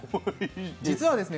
実はですね